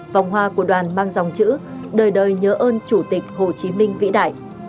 vòng hoa của đoàn mang dòng chữ đời đời nhớ ơn chủ tịch hồ chí minh vĩ đại